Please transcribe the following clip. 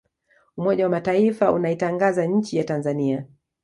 umoja wa mataifa unaitangaza nchi ya tanzania